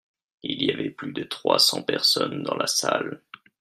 Il y avait plus de trois cent personnes dans la salle.